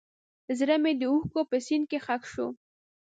زړه مې د اوښکو په سیند کې ښخ شو.